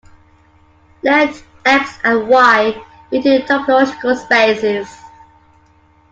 Let "X" and "Y" be two topological spaces.